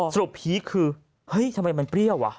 พีคคือเฮ้ยทำไมมันเปรี้ยวอ่ะ